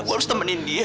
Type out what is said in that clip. gue harus temenin dia